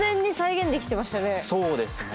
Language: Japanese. そうですね。